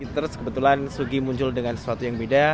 terus kebetulan sugi muncul dengan sesuatu yang beda